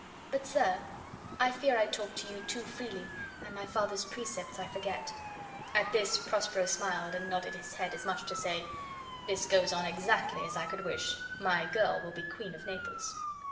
But, sir, I fear I talk to you too freely, and my father's precepts I forget." At this Prospero smiled, and nodded his head, as much as to say: "This goes on exactly as I could wish; my girl will be queen of Naples."